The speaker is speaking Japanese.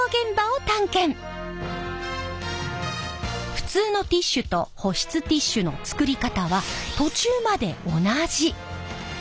普通のティッシュと保湿ティッシュの作り方は途中まで同じ。